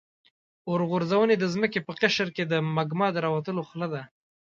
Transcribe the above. اورغورځونې د ځمکې په قشر کې د مګما د راوتلو خوله ده.